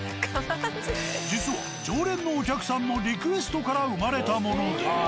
実は常連のお客さんのリクエストから生まれたもので。